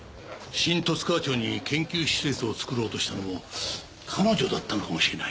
新十津川町に研究施設を作ろうとしたのも彼女だったのかもしれない。